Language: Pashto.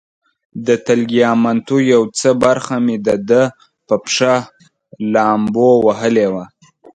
د تګلیامنتو یو څه برخه مې د ده په پښه لامبو وهلې وه.